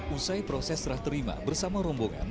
usai proses serah terima bersama rombongan